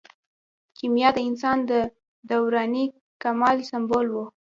کیمیا د انسان د دروني کمال سمبول و.